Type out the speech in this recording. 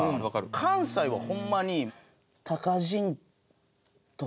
関西はホンマに。